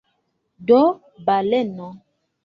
Do – baleno!